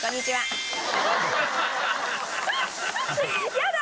やだ！